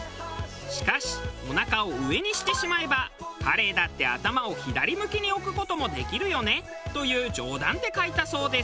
しかしおなかを上にしてしまえばカレイだって頭を左向きに置く事もできるよねという冗談で書いたそうです。